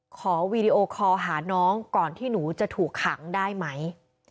วีดีโอคอลหาน้องก่อนที่หนูจะถูกขังได้ไหม